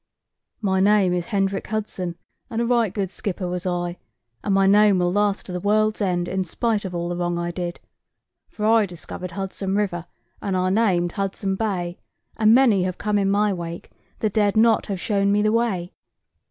"My name is Hendrick Hudson, and a right good skipper was I; and my name will last to the world's end, in spite of all the wrong I did. For I discovered Hudson River, and I named Hudson's Bay; and many have come in my wake that dared not have shown me the way.